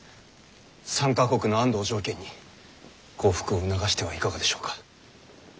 ３か国の安堵を条件に降伏を促してはいかがでしょうか。